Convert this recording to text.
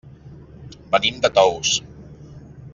Venim de Tous.